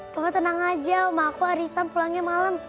kamu tenang aja rumah aku arisam pulangnya malam